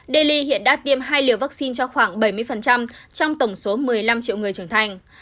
delhi hiện đã tiêm hai liều vaccine cho khoảng bảy mươi trong tổng số một mươi năm triệu người trưởng thành